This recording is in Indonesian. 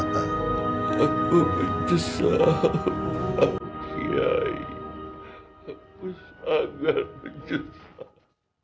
aku menyesal pak jai aku sangat menyesal